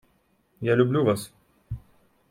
Я люблю Вас.